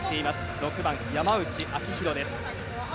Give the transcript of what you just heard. ６番、山内晶大です。